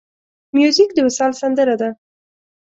موزیک د وصال سندره ده.